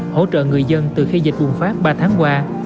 hỗ trợ người dân từ khi dịch bùng phát ba tháng qua